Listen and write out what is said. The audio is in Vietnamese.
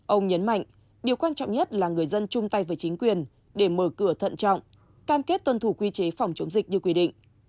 ông nhấn mạnh điều quan trọng nhất là người dân chung tay với chính quyền để mở cửa thận trọng cam kết tuân thủ quy chế phòng chống dịch như quy định